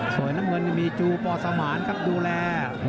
ส่วนน้ำเงินนี่มีจูปอสมานครับดูแล